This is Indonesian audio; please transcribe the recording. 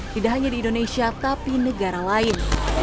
tidak hanya di indonesia tapi negara lain